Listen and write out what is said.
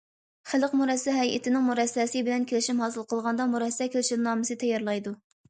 خەلق مۇرەسسە ھەيئىتىنىڭ مۇرەسسەسى بىلەن كېلىشىم ھاسىل قىلغاندا مۇرەسسە كېلىشىمنامىسى تەييارلايدۇ.